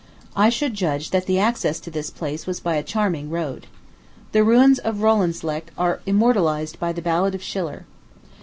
I should judge that the access to this place was by a charming road. The ruins of Rolandseck are immortalized by the ballad of Schiller.